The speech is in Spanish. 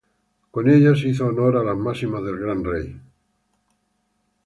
Con ellos hizo honor a las máximas del gran rey.